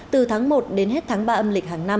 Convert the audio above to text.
từ tháng một đến hết tháng ba âm lịch hàng năm